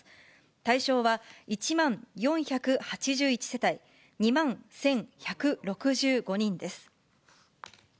対象は１万４８１世帯、２万１１６５人です。